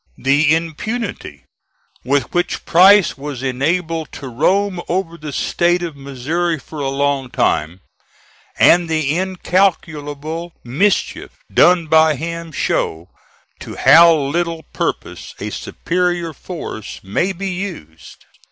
The impunity with which Price was enabled to roam over the State of Missouri for a long time, and the incalculable mischief done by him, show to how little purpose a superior force may be used.